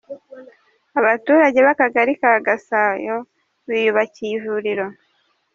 Abaturage b’Akagari ka Gasayo biyubakiye ivuriro